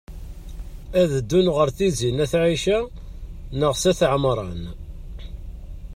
Ad ddun ɣer Tizi n at Ɛica neɣ s at Ɛemṛan?